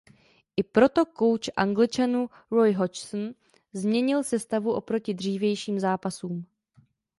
I proto kouč Angličanů Roy Hodgson změnil sestavu oproti dřívějším zápasům.